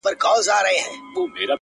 حسن خو زر نه دى چي څوك يې پـټ كــړي،